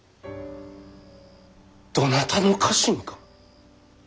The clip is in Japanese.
どなたの家臣か。